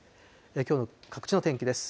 きょうの各地の天気です。